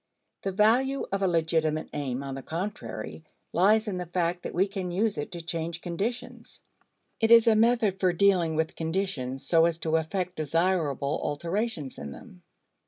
The value of a legitimate aim, on the contrary, lies in the fact that we can use it to change conditions. It is a method for dealing with conditions so as to effect desirable alterations in them.